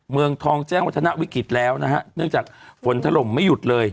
เมืองทองแจ้งวัฒนวิกฤตแล้วนะฮะเนื่องจากฝนถล่มไม่หยุดเลย